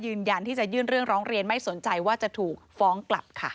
ยืนยันที่จะยื่นเรื่องร้องเรียนไม่สนใจว่าจะถูกฟ้องกลับค่ะ